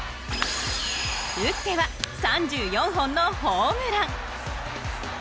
打っては３４本のホームラン。